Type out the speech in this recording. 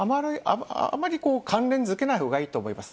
あまり関連づけないほうがいいと思います。